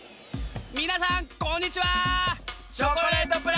みなさんこんにちは！